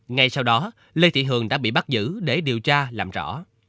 ngay sau đó lê thị hường đã bị bắt giữ để điều tra làm rõ